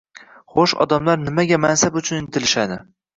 Xo’sh, odamlar nimaga mansab uchun intilishadi?